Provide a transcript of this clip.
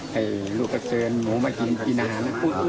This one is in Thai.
เหล้าปะเจินหมูมากินมีนาน